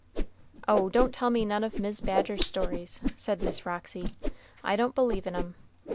"Oh, don't tell me none of Mis' Badger's stories," said Miss Roxy, "I don't believe in 'em.